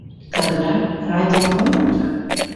— Кырля, радио мом кутыра?